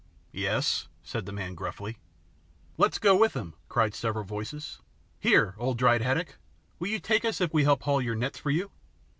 "Yes," said the man gruffly. "Let's go with him," cried several voices. "Here, old dried haddock, will you take us if we help haul your nets for you?"